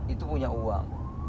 itu punya uang